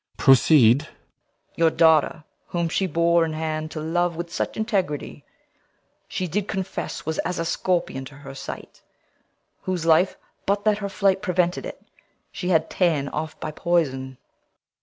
Proceed. CORNELIUS. Your daughter, whom she bore in hand to love With such integrity, she did confess Was as a scorpion to her sight; whose life, But that her flight prevented it, she had Ta'en off by poison.